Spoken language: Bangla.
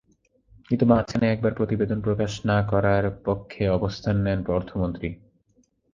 কিন্তু মাঝখানে একবার প্রতিবেদন প্রকাশ না করার পক্ষে অবস্থান নেন অর্থমন্ত্রী।